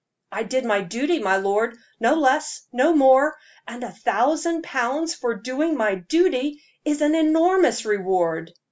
"I did my duty, my lord no less, no more; and a thousand pounds for doing my duty is an enormous reward."